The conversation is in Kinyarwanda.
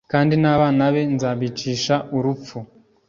Kandi n’abana be nzabicisha urupfu,